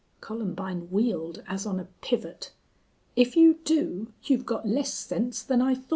Columbine wheeled as on a pivot. "If you do you've got less sense than I thought."